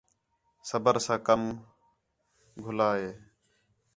صُبر ساں کم گِھنݨاں ہِے